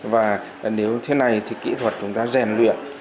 và nếu thế này thì kỹ thuật chúng ta rèn luyện